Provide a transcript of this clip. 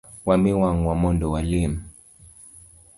Wa mi wangwa mondo wa lem.